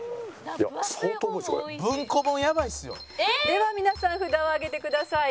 「では皆さん札を上げてください」